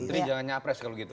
menteri jangan nyapres kalau gitu